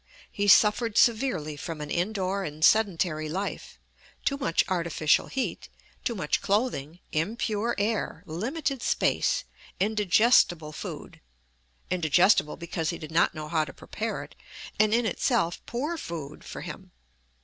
He suffered severely from an indoor and sedentary life, too much artificial heat, too much clothing, impure air, limited space, indigestible food indigestible because he did not know how to prepare it, and in itself poor food for him.